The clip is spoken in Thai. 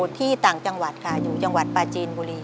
ที่ต่างจังหวัดค่ะอยู่จังหวัดปลาจีนบุรี